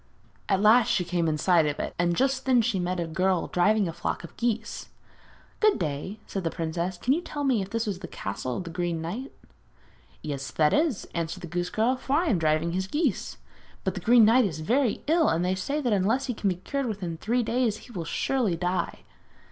At last she came in sight of it, and just then she met a girl driving a flock of geese. 'Good day!' said the princess; 'can you tell me if this is the castle of the Green Knight?' 'Yes, that it is,' answered the goose girl, 'for I am driving his geese. But the Green Knight is very ill, and they say that unless he can be cured within three days he will surely die.'